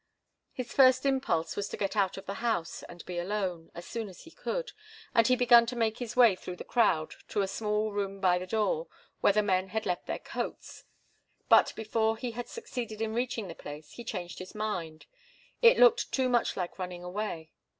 His first impulse was to get out of the house, and be alone, as soon as he could, and he began to make his way through the crowd to a small room by the door, where the men had left their coats. But, before he had succeeded in reaching the place, he changed his mind. It looked too much like running away.